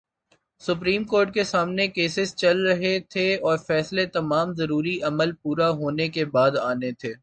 Supreme court کے سامنے cases چل رہے تھے اور فیصلے تمام ضروری عمل پورا ہونے کے بعد آنے تھے۔